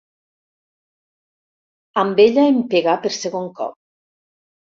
Amb ella em pegà per segon cop.